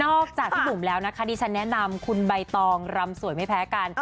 จากพี่บุ๋มแล้วนะคะดิฉันแนะนำคุณใบตองรำสวยไม่แพ้กัน